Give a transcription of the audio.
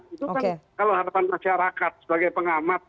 itu kan kalau harapan masyarakat sebagai pengamat